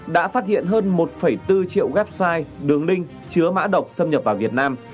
đã phát hiện hơn một bốn triệu website đường link chứa mã độc xâm nhập vào việt nam